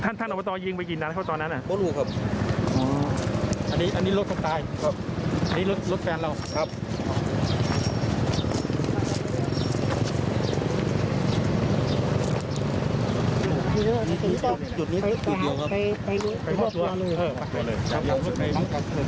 อยากจะชอบอยากจะชอบสัตว์ฎูอะไรก็